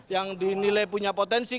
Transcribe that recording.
yang dinilai punya potensi